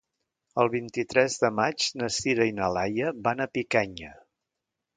El vint-i-tres de maig na Sira i na Laia van a Picanya.